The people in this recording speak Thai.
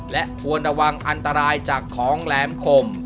และควรระวังอันตรายจากของแหลมคม